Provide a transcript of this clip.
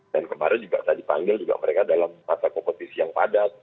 dan kemarin juga tadi dipanggil juga mereka dalam masa kompetisi yang padat